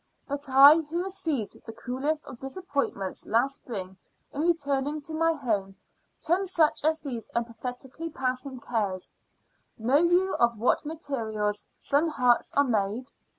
But I, who received the cruellest of disappointments last spring in returning to my home, term such as these emphatically passing cares. Know you of what materials some hearts are made?